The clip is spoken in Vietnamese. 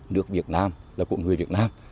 nước việt nam là của người việt nam